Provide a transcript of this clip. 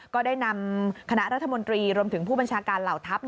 ก็ได้นำคณะรัฐมนตรีรวมถึงผู้บัญชาการเหล่าทัพ